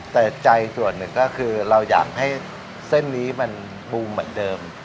แต่ใจส่วนหนึ่งก็คือเราอยากให้เส้นนี้มันบูมเหมือนเดิม